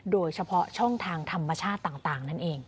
โดยเฉพาะช่องทางธรรมชาติต่างนั่นเอง